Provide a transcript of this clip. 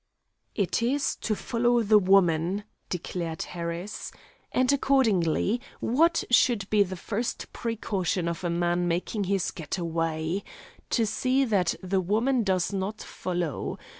"It is to follow the woman," declared Harris. "And, accordingly, what should be the first precaution of a man making his get away? To see that the woman does not follow.